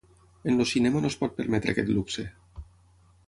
En el cinema no es pot permetre aquest luxe.